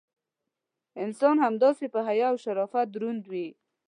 انسان همداسې: په حیا او شرافت دروند وي.